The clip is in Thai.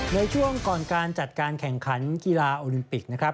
ในช่วงก่อนการจัดการแข่งขันกีฬาโอลิมปิกนะครับ